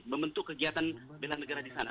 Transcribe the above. membentuk kegiatan bela negara di sana